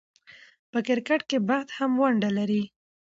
په کرکټ کښي بخت هم ونډه لري.